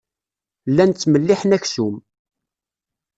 Llan ttmelliḥen aksum.